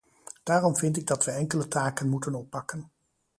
Daarom vind ik dat wij enkele taken moeten oppakken.